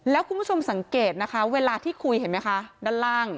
แล้วคุณผู้ชมสังเกตนะคะเวลาที่คุยเห็นไหมคะด้านล่าง